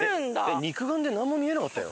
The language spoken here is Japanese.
肉眼でなんも見えなかったよ。